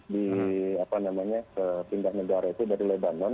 di apa namanya ke pinggir negara itu dari lebanon